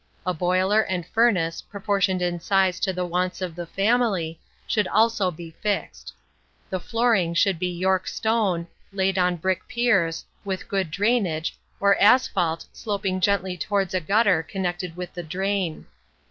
A boiler and furnace, proportioned in size to the wants of the family, should also be fixed. The flooring should be York stone, laid on brick piers, with good drainage, or asphalte, sloping gently towards a gutter connected with the drain.